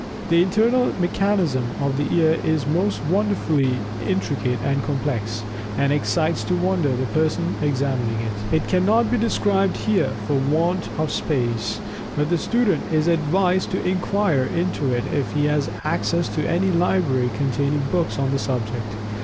The internal mechanism of the ear is most wonderfully intricate and complex, and excites to wonder the person examining it. It cannot be described here for want of space, but the student is advised to inquire into it if he has access to any library containing books on the subject.